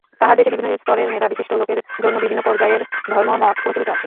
তাঁহার দেশে বিভিন্ন স্তরের মেধাবিশিষ্ট লোকের জন্য বিভিন্ন পর্যায়ের ধর্মমত প্রচলিত আছে।